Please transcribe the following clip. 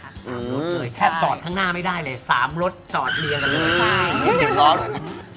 สามรสเลยแทบจอดทั้งหน้าไม่ได้เลยสามรสจอดเรียนกับกุ้ยไช่